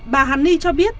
bà hằng hiếu cho biết